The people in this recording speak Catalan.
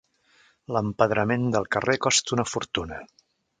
L'empedrament del carrer costa una fortuna.